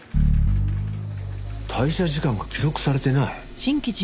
退社時間が記録されてない。